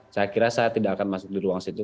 saya kira saya tidak akan masuk di ruang situ